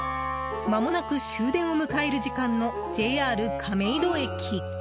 まもなく終電を迎える時間のＪＲ亀戸駅。